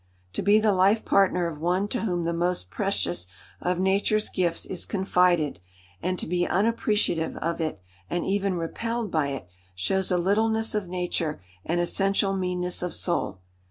To be the life partner of one to whom the most precious of Nature's gifts is confided, and to be unappreciative of it and even repelled by it, shows a littleness of nature and essential meanness of soul.